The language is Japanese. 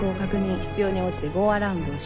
必要に応じてゴーアラウンドを指示。